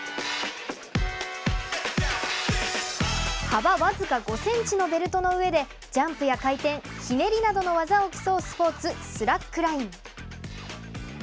幅わずか５ｃｍのベルトの上でジャンプや回転、ひねりなどの技を競うスポーツスラックライン。